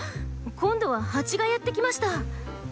今度はハチがやって来ました。